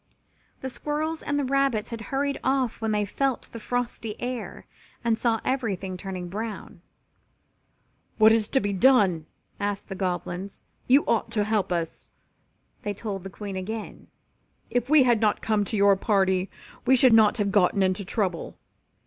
The squirrels and the rabbits had hurried off when they felt the frosty air and saw everything turning brown. "What is to be done?" asked the Goblins, "You ought to help us," they told the Queen again. "If we had not come to your party we should not have gotten into trouble."